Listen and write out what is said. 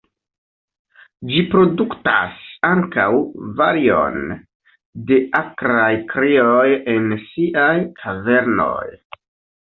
Ĝi produktas ankaŭ varion de akraj krioj en siaj kavernoj.